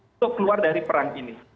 untuk keluar dari perang ini